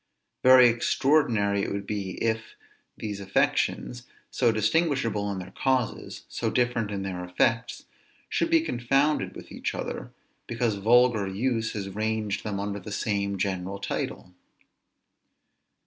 Very extraordinary it would be, if these affections, so distinguishable in their causes, so different in their effects, should be confounded with each other, because vulgar use has ranged them under the same general title.